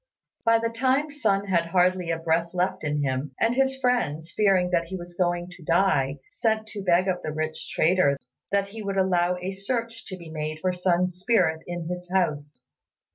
By that time Sun had hardly a breath left in him; and his friends, fearing that he was going to die, sent to beg of the rich trader that he would allow a search to be made for Sun's spirit in his house.